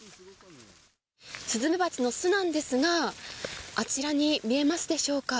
スズメバチの巣なんですが、あちらに見えますでしょうか。